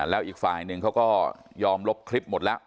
แล้วอีกฝ่ายหนึ่งเขาก็ยอมลบคลิปหมดแล้ว